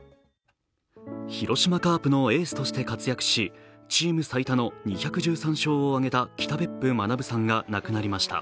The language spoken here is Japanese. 広島カープのエースとして活躍し、チーム最多の２１３勝を挙げた北別府学さんが亡くなりました。